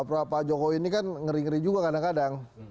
pak jokowi ini kan ngeri ngeri juga kadang kadang